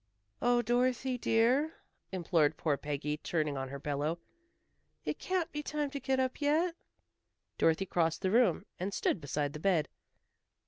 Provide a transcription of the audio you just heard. "Oh, Dorothy dear," implored poor Peggy, turning on her pillow, "it can't be time to get up yet." Dorothy crossed the room, and stood beside the bed.